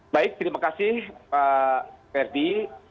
baik terima kasih pak ferdi